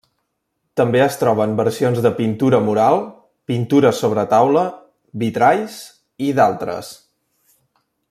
També es troben versions de pintura mural, pintura sobre taula, vitralls, i d'altres.